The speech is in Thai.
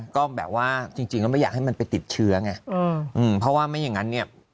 ก็แบบว่าจริงแล้วไม่อยากให้มันไปติดเชื้อไงเพราะว่าไม่อย่างนั้นเนี่ย